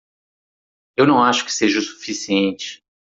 Eu não acho que seja o suficiente